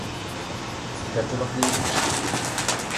Sie könnte noch leben.